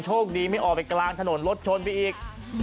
โชคดีไม่ออกไปกลางถนนรถชนไปอีก